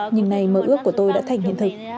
nhưng nay mơ ước của tôi đã thành hiện thực